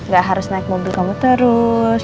gak harus naik mobil kamu terus